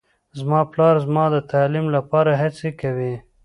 زما پلار زما د تعلیم لپاره هڅې کوي